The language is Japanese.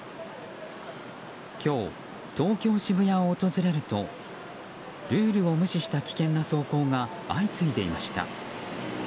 今日、東京・渋谷を訪れるとルールを無視した危険な走行が相次いでいました。